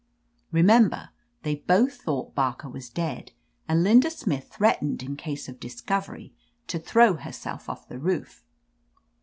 Remember, they both thought Barker was dead, and Linda Smith threatened in case of discovery, to throw her self off the roof.